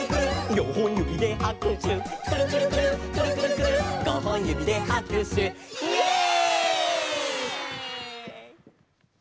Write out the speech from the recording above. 「よんほんゆびではくしゅ」「くるくるくるっくるくるくるっごほんゆびではくしゅ」イエイ！